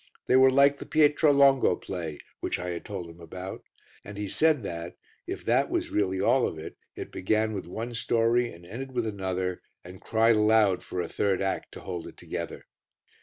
They were like the Pietro Longo play, which I had told him about, and he said that, if that was really all of it, it began with one story and ended with another and cried aloud for a third act to hold it together.